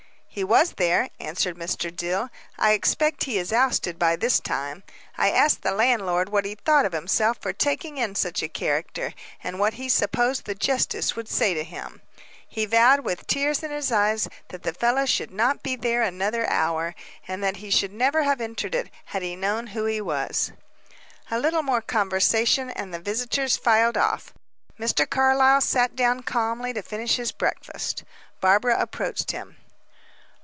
"He was there," answered Mr. Dill. "I expect he is ousted by this time. I asked the landlord what he thought of himself, for taking in such a character, and what he supposed the justice would say to him. He vowed with tears in his eyes that the fellow should not be there another hour, and that he should never have entered it, had he known who he was." A little more conversation, and the visitors filed off. Mr. Carlyle sat down calmly to finish his breakfast. Barbara approached him.